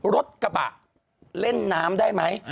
รถกระบะเล่นน้ำได้ไหม